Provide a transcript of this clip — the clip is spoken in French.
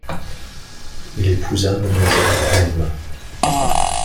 Il épousa mademoiselle Braem.